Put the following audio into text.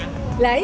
nah ini selalu kita